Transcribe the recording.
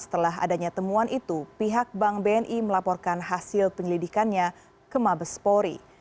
setelah adanya temuan itu pihak bank bni melaporkan hasil penyelidikannya ke mabespori